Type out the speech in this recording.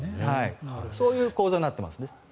そういう構造になっています。